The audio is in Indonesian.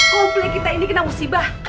komplek kita ini kena usibah